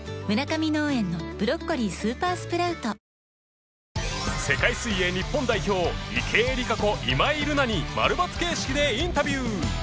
あなたも世界水泳日本代表池江璃花子今井月にマルバツ形式でインタビュー